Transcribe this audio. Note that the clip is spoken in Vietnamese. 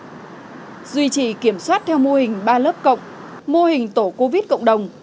ngoài ra thì kiểm soát theo mô hình ba lớp cộng mô hình tổ covid cộng đồng